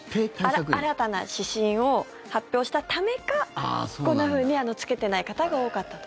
新たな指針を発表したためかこんなふうに着けてない方が多かったと。